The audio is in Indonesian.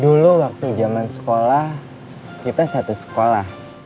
dulu waktu zaman sekolah kita satu sekolah